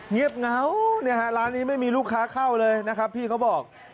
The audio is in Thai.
เงียบเหงาเนี่ยฮะร้านนี้ไม่มีลูกค้าเข้าเลยนะครับพี่เขาบอก